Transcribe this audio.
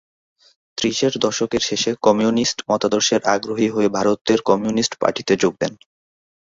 ত্রিশের দশকের শেষে কমিউনিস্ট মতাদর্শে আগ্রহী হয়ে ভারতের কমিউনিস্ট পার্টিতে যোগ দেন।